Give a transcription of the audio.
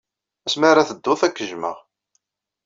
Asmi ara teddud, ad k-jjmeɣ.